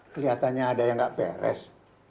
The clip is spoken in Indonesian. kelihatannya ada yang gak beres